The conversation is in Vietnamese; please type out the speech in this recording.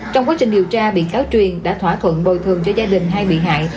trong quá trình điều tra bị cáo truyền đã thỏa thuận bồi thường cho gia đình hai bị hại